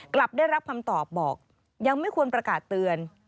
กลับได้รับคำตอบบอกยังไม่ควรประกาศเตือน